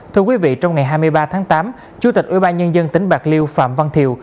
thưa quý vị trong ngày hai mươi ba tháng tám chủ tịch ủy ban nhân dân tỉnh bạc liêu phạm văn thiều